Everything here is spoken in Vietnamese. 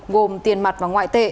gồm tiền mặt và ngoại tệ